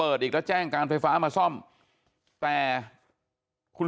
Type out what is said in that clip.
สวยชีวิตทั้งคู่ก็ออกมาไม่ได้อีกเลยครับ